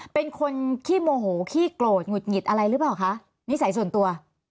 เป็นคนขี้โมโหขี้โกรธหงุดหงิดอะไรหรือเปล่าคะนิสัยส่วนตัว